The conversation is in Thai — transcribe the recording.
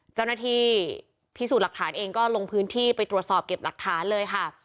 เจ้าหน้าที่พิสูจน์หลักฐานเองก็ลงพื้นที่ไปตรวจสอบเก็บหลักฐานเลยค่ะ